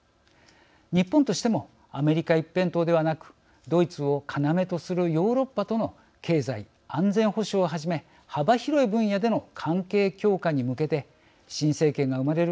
日本としてもアメリカ一辺倒ではなくドイツを要とするヨーロッパとの経済安全保障をはじめ幅広い分野での関係強化に向けて新政権が生まれる